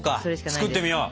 作ってみよう。